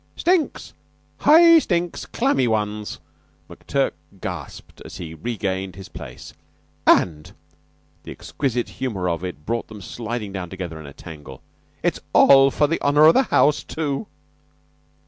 "Stinks! Hi, stinks! Clammy ones!" McTurk gasped as he regained his place. "And" the exquisite humor of it brought them sliding down together in a tangle "it's all for the honor of the house, too!"